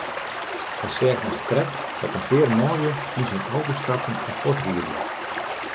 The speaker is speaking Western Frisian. Hy seach noch krekt dat in pear manlju yn syn auto stapten en fuortrieden.